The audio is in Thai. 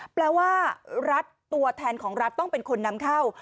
แปลว่ารัฐตัวแทนของรัฐต้องเป็นคนนำเข้า